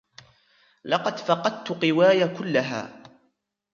لقد فقدت قواي كلها.